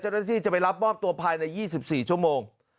เจ้าหน้าที่จะไปรับมอบตัวภายใน๒๔ชั่วโมง